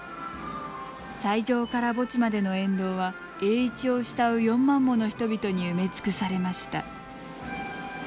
斎場から墓地までの沿道は栄一を慕う４万もの人々に埋め尽くされました。